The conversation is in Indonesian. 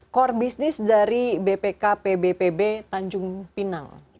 core business dari bpk pb pb tanjung pinang